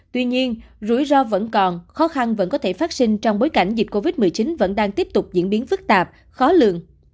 tuy nhiên rủi ro vẫn còn khó khăn vẫn có thể phát sinh trong bối cảnh dịch covid một mươi chín vẫn đang tiếp tục diễn biến phức tạp khó lường